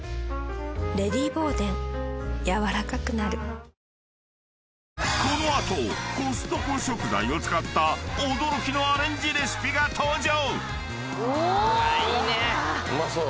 ダイハツ［この後コストコ食材を使った驚きのアレンジレシピが登場！］